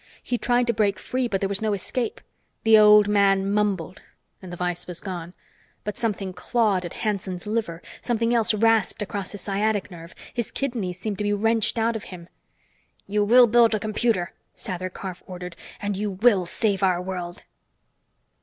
He tried to break free, but there was no escape. The old man mumbled, and the vise was gone, but something clawed at Hanson's liver. Something else rasped across his sciatic nerve. His kidneys seemed to be wrenched out of him. "You will build a computer," Sather Karf ordered. "And you will save our world!"